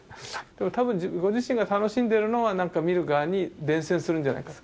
多分ご自身が楽しんでいるのが何か見る側に伝染するんじゃないか。